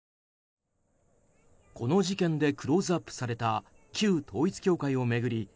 この事件でクローズアップされた旧統一教会を巡り